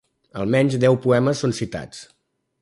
Almenys deu poemes són citats.